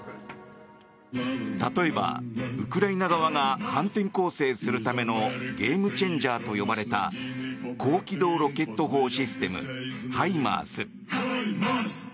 例えば、ウクライナ側が反転攻勢するためのゲームチェンジャーと呼ばれた高機動ロケット砲システムＨＩＭＡＲＳ。